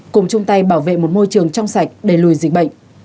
cùng chung tay bảo vệ một môi trường trong sạch đẩy lùi dịch bệnh